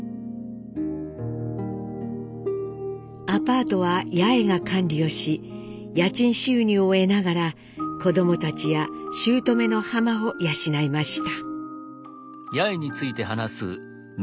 アパートは八重が管理をし家賃収入を得ながら子どもたちや姑のハマを養いました。